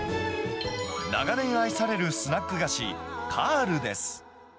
長年愛されるスナック菓子、カールです。